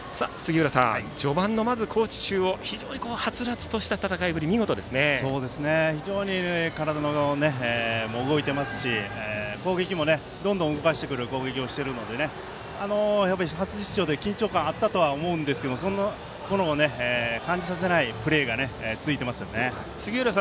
序盤の高知中央は非常にはつらつとし戦いぶりが非常に体も動いていますし攻撃もどんどん動かしてくる攻撃をしているので初出場で緊張感はあったと思いますがそれを感じさせないプレーが続いていますよね。